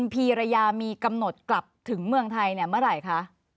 พีรยามีกำหนดกลับถึงเมืองไทยเมื่อไหร่คะ